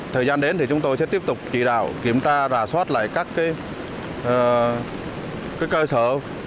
thời gian đến thì chúng tôi sẽ tiếp tục chỉ đạo kiểm tra rà soát lại các cơ sở